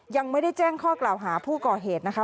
ยังไม่ได้แจ้งข้อกล่าวหาผู้ก่อเหตุนะคะ